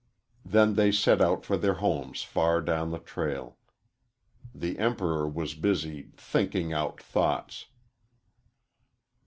Then they set out for their homes far down the trail. The Emperor was busy "thinking out thoughts."